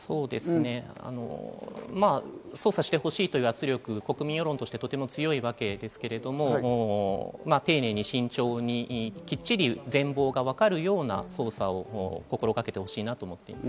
捜査してほしいという圧力、国民世論としてとても強いわけですけれども、丁寧に慎重にきっちり全貌がわかるような捜査を心がけてほしいなと思っています。